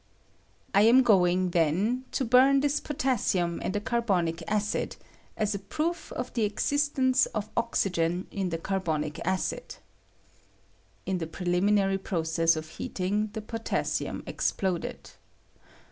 I am going, then, to bam this potas sium in the carbonic acid, as a proof of the ex istence of oxygen in the carbonic acid. [In the preliminary process of heating the potaasium exploded.